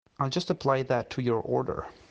I'll just apply that to your order.